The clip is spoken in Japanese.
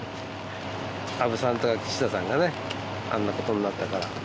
安倍さんとか、岸田さんがね、あんなことになったから。